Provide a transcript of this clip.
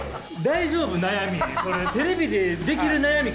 大丈夫？悩み。